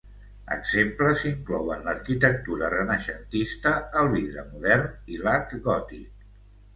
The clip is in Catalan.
Exemples inclouen l'arquitectura renaixentista, el vidre modern i l'art gòtic.